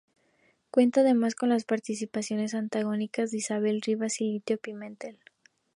Cuenta además con las participaciones antagónicas de Isabel Rivas y Lito Pimentel.